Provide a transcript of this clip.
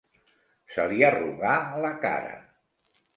Se li arrugà la cara.